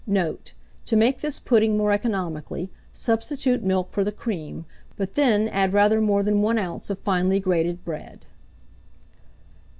Note. To make this pudding more economically, substitute milk for the cream; but then add rather more than 1 oz. of finely grated bread.